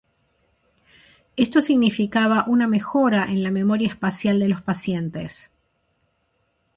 Esto significaba una mejora en la memoria espacial de los pacientes.